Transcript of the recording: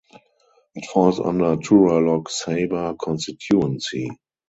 It falls under Tura Lok Sabha constituency.